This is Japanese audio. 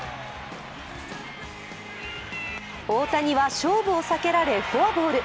大谷は勝負を避けられ、フォアボール。